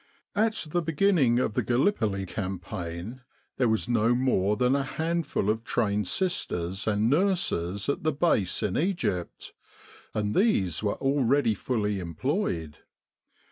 At the beginning of the Callipoli Campaign there was no more than a handful of trained sisters and nurses at the Base in Egypt, and these were already fully employed.